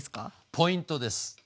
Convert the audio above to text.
ポイントです。